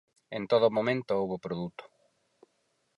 En todo momento houbo produto.